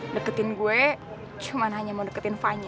deketin gue cuman hanya mau deketin fanya